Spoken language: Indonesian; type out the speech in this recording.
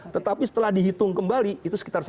tetapi setelah dihitung kembali itu sekitar satu